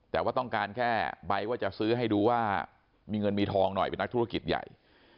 แต่ว่าต้องการแค่ใบว่าจะซื้อให้ดูว่ามีเงินมีทองหน่อยเป็นนักธุรกิจใหญ่